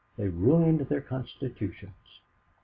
They ruined their constitutions.